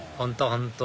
本当